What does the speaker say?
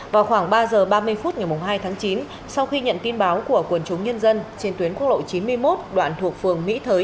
vào khoảng ba giờ ba mươi phút ngày hai tháng chín sau khi nhận tin báo của quần chúng nhân dân trên tuyến quốc lộ chín mươi một đoạn thuộc phường mỹ thới